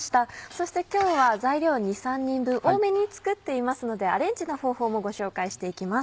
そして今日は材料２３人分多めに作っていますのでアレンジの方法もご紹介していきます。